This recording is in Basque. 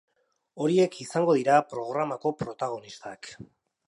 Horiek izango dira programako protagonistak.